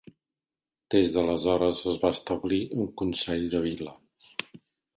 Des d'aleshores es va establir un consell de vila.